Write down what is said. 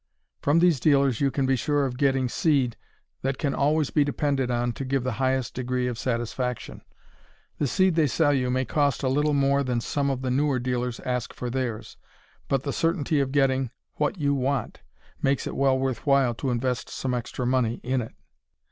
From these dealers you can be sure of getting seed that can always be depended on to give the highest degree of satisfaction. The seed they sell you may cost a little more than some of the newer dealers ask for theirs, but the certainty of getting what you want makes it well worth while to invest some extra money in it.